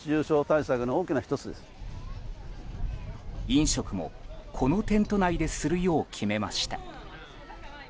飲食も、このテント内でするよう決めました。